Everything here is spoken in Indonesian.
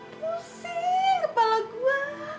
pusing kepala gue